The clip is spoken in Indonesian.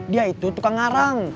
dia itu tukang arang